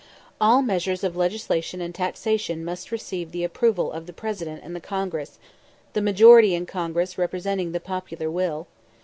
All measures of legislation and taxation must receive the approval of the President and the Congress, the majority in Congress representing the popular will.